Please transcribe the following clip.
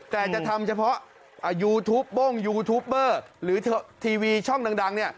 แต่จะทำเฉพาะอ่ายูทูปโบ้งยูทูปเบอร์หรือเทอร์ทีวีช่องดังดังเนี้ย